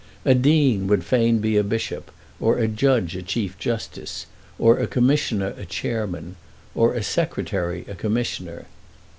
A dean would fain be a bishop, or a judge a chief justice, or a commissioner a chairman, or a secretary a commissioner.